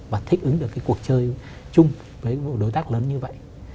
và thích ứng được cái cuộc chơi chung với một đối tác lớn như vậy